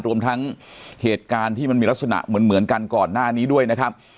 รวมทั้งเหตุการณ์ที่มันมีลักษณะเหมือนกันก่อนหน้านี้ด้วยนะครับ